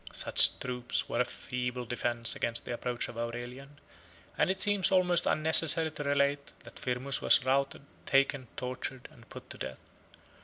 Such troops were a feeble defence against the approach of Aurelian; and it seems almost unnecessary to relate, that Firmus was routed, taken, tortured, and put to death.